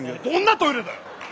どんなトイレだよ！